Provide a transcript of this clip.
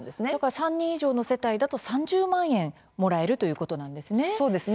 ３人以上の世帯だと３０万円もらえるということなんですね。